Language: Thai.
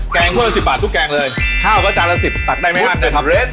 แกงผู้ชอบ๑๐บาททุกแกงเลยข้าวก็จากละ๑๐บาทได้ไม่อั้นด้วยครับ